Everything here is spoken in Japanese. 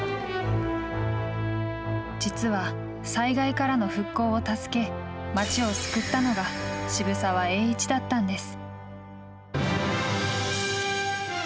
実は、災害からの復興を助け町を救ったのが渋沢栄一だったんです。